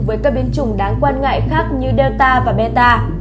với các biến chủng đáng quan ngại khác như delta và meta